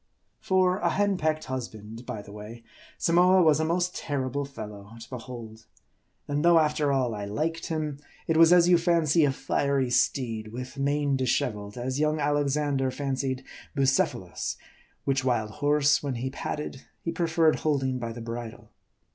For a hen pecked husband, by the way, Samoa was a most terrible fellow to behold. And though, after all, I liked him ; it was as you fancy a fiery steed with mane disheveled, as young Alexander fancied Bucephalus ; which wild horse, when he patted, he preferred holding by the bridle.